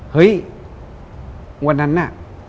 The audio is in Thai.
เฮ้ยวันนั้นน่ะ